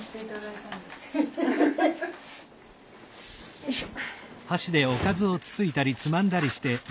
よいしょ。